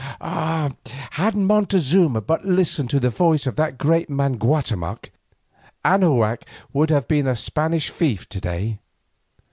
Ah! had Montezuma but listened to the voice of that great man Guatemoc, Anahuac would not have been a Spanish fief to day.